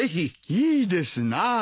いいですなあ。